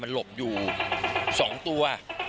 หลบอยู่๒ตัว